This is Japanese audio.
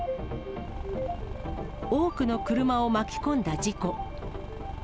多くの車を巻き込んだ事故。